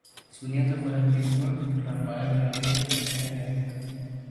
Su nieto fue el escritor Rafael Ramírez Heredia.